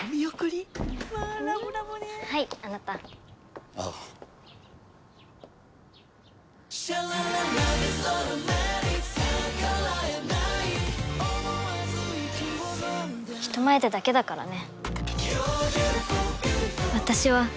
まぁラブラブねはいあなたああ人前でだけだからね